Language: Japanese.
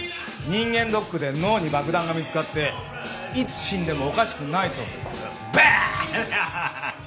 人間ドックで脳に爆弾が見つかっていつ死んでもおかしくないそうですから。